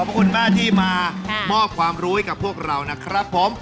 ขอบคุณมากที่มามอบความรู้ให้กับพวกเรานะครับผม